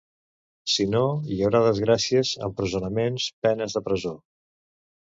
Si no, hi haurà desgràcies, empresonaments, penes de presó.